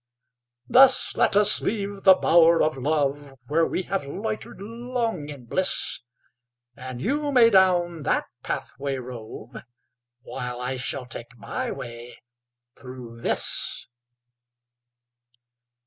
Thus let us leave the bower of love, Where we have loitered long in bliss; And you may down that pathway rove, While I shall take my way through this.